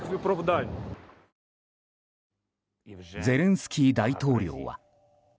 ゼレンスキー大統領は。